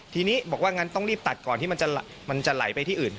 ทีนี้บอกว่างั้นต้องรีบตัดก่อนที่มันจะไหลไปที่อื่น